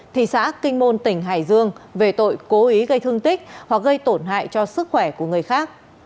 thị xã kinh môn tỉnh hải dương về tội cố ý gây thương tích hoặc gây tổn hại cho sức khỏe của người khác